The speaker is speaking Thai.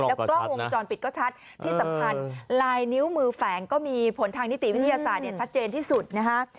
กล้องวงจรปิดก็ชัดที่สำคัญลายนิ้วมือแฝงก็มีผลทางนิติวิทยาศาสตร์ชัดเจนที่สุดนะฮะ